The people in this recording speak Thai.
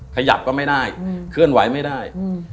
ขยับก็ไม่ได้เคลื่อนไหวไม่ได้